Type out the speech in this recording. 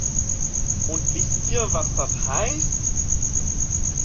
Und wisst ihr, was das heißt?